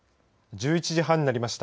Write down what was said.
１１時半になりました。